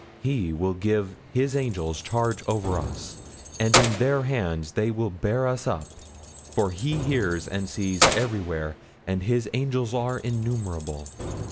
He will give His angels charge over us, and in their hands they will bear us up, for He hears and sees everywhere, and His angels are innumerable.'